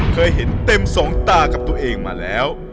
เคยเห็นเต็มสองตากับตัวเองมาแล้ว